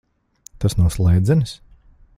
Tas no slēdzenes?